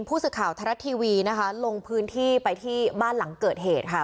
ผู้สื่อข่าวไทยรัฐทีวีนะคะลงพื้นที่ไปที่บ้านหลังเกิดเหตุค่ะ